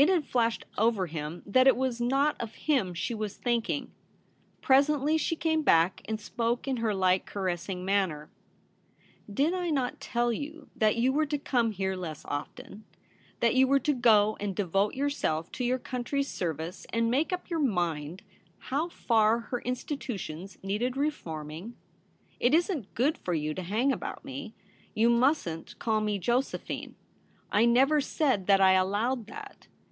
It had flashed over him that it was not of him she was thinking. Presently she came back, and spoke in her light caressing manner. ' Did I not tell you that you were to come here less often — that you were to go and devote yourself to your country's service and make up your mind how far her institutions needed reforming ? It isn't good for you to hang about me. You mustn't call me Jose phine. I never said that I allowed that.